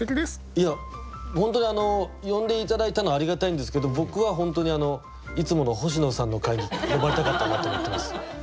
いや本当にあの呼んで頂いたのはありがたいんですけど僕は本当にあのいつもの星野さんの回に呼ばれたかったなと思ってます。